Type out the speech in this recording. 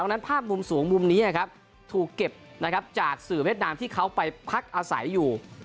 นั้นภาพมุมสูงมุมนี้ถูกเก็บนะครับจากสื่อเวียดนามที่เขาไปพักอาศัยอยู่